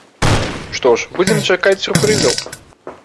Што ж, будзем чакаць сюрпрызаў.